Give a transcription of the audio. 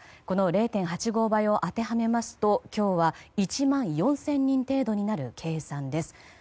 この０．８５倍を当てはめると今日は、１万４０００人程度になる計算です。